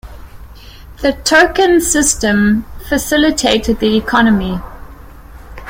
The token system facilitated the economy.